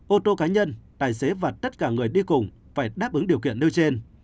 ô tô cá nhân tài xế và tất cả người đi cùng phải đáp ứng điều kiện nơi trên